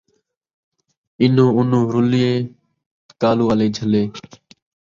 اِنوں اُنوں رُلئےتے کالو آلے جھلے